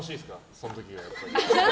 その時がやっぱり。